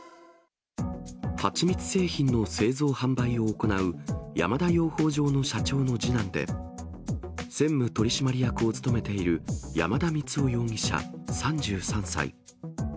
蜂蜜製品の製造・販売を行う山田養蜂場の社長の次男で、専務取締役を務めている山田満生容疑者３３歳。